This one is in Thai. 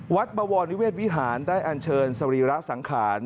บวรนิเวศวิหารได้อันเชิญสรีระสังขาร